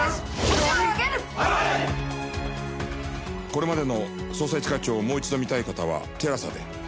これまでの『捜査一課長』をもう一度見たい方はＴＥＬＡＳＡで。